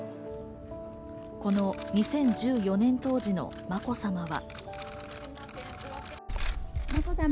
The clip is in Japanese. この２０１４年当時のまこさまは。